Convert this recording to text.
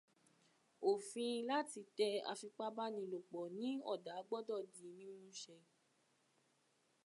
Òfin láti tẹ àfipábánilòpọ̀ ní ọ̀dá gbọ́dọ̀ di mímúṣẹ.